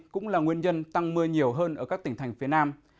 cũng là nguyên nhân tăng mưa nhiều hơn ở các tỉnh thành phía nam